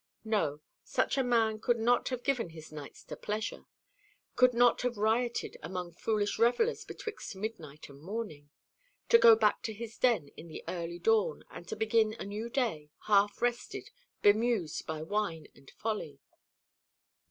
No, such a man could not have given his nights to pleasure, could not have rioted among foolish revellers betwixt midnight and morning to go back to his den in the early dawn, and to begin a new day, half rested, bemused by wine and folly.